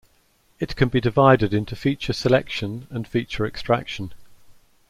It can be divided into feature selection and feature extraction.